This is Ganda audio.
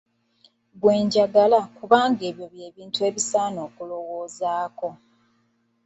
Ggwe njagala, kubanga ebyo bye bintu ebisaana okulowoozaako.